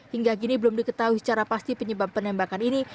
hingga kini belum diketahui secara pasti penyebab penembakan ini